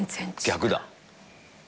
逆だ。